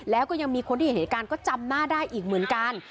แล้วก็ยังมีคนที่เห็นเหตุการณ์ก็จำหน้าได้อีกเหมือนกัน